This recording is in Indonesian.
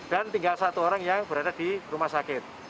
dan tinggal satu orang yang berada di rumah sakit